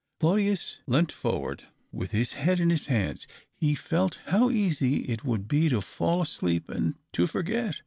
Claudius leant forward with his head in his hands ; he felt how easy it would be to fall asleep and to forget.